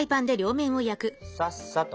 さっさと。